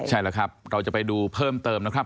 ใช่แล้วครับเราจะไปดูเพิ่มเติมนะครับ